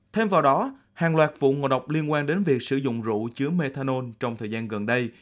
thêm vào đó hàng loạt vụ ngộ độc liên quan đến việc sử dụng rượu chứa methanol trong thời gian gần đây